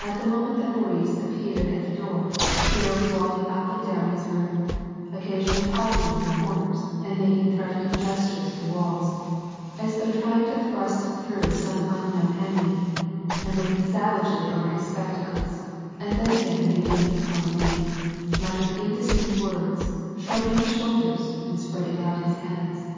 At the moment that Boris appeared at the door, Pierre was walking up and down his room, occasionally pausing in the comers and making threatening gestures at the walls, as though trying to thrust through some unknown enemy, and looking savagely over his spectacles and then again beginning his promenade, muttering indistinct words, shrugging his shoulders and spreading out his hands.